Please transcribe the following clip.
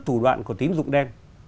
phù đoạn của tín dụng đen